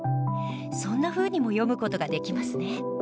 そんなふうにも読む事ができますね。